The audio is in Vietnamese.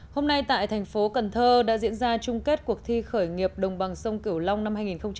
hôm nay tại thành phố cần thơ đã diễn ra chung kết cuộc thi khởi nghiệp đồng bằng sông cửu long năm hai nghìn một mươi chín